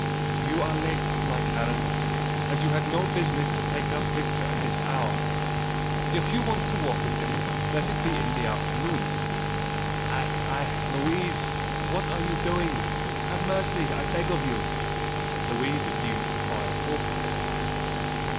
"You are late, my Karen, and you had no business to take out Victor at this hour. If you want to walk with him let it be in the afternoon. Aïe! aïe! Louise! what are you doing? Have mercy I beg of you!" Louise had used the file awkwardly.